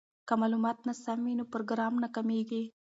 که معلومات ناسم وي نو پروګرام ناکامیږي.